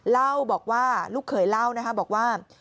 ลูกเคยเล่านะฮะบอกว่า